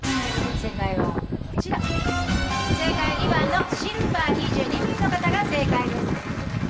正解は２番のシルバー、２２名の方が正解です。